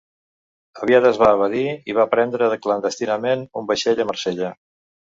Aviat es va evadir i va prendre, clandestinament, un vaixell a Marsella.